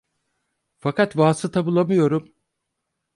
Fakat vasıta bulamıyorum!